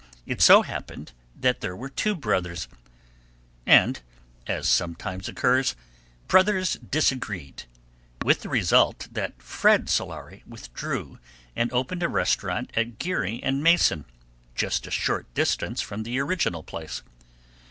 It so happened that there were two brothers, and as sometimes occurs brothers disagreed with the result that Fred Solari withdrew and opened a restaurant at Geary and Mason, just a short distance from the original place.